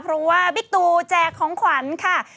เพราะว่าบิ๊กตูแจกของขวัญค่ะ